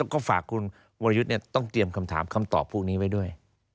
ก็ฝากคุณวรยุทธ์ต้องเตรียมคำถามคำตอบพวกนี้ไว้ด้วย